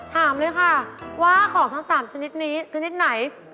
ถามเลยค่ะว่าของทั้ง๓ชนิดนี้ชนิดไหน